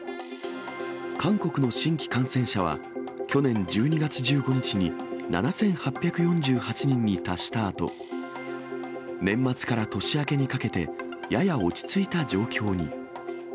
韓国の新規感染者は、去年１２月１５日に７８４８人に達したあと、年末から年明けにかけて、やや落ち着いた状況に。